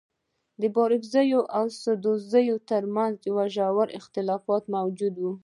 د بارکزيو او سدوزيو تر منځ ژور اختلافات موجود وه.